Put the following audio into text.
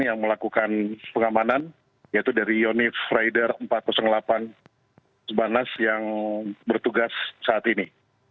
yang melakukan pengamanan yaitu dari yonif rider empat ratus delapan sebanas yang bertugas saat ini